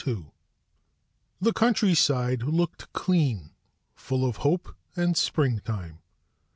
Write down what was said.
The countryside looked clean, full of hope and springtime.